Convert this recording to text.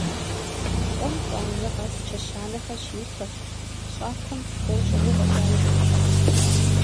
Къуэм къуажэ къэс чэщанэхэр щиухуэрт, щӀакхъуэм фо щӀыгъуу фӀэкӀа ишхыртэкъым.